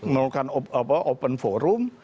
melakukan open forum